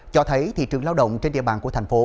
cho thấy thị trường lao động trên địa bàn của tp hcm